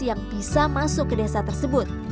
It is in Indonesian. yang bisa masuk ke desa tersebut